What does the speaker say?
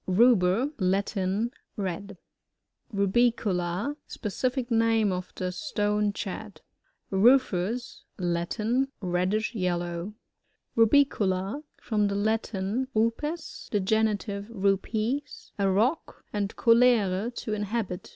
Ruber. — Latin. Red. RasiooLA, — Specific name of the Stonechat. RcTFos. — ^Latin. Reddish yellow. RuPiooLA. — From the Latin, rupes^ (in the genitive, rujdi,) a rock, and coUre, to inhabit.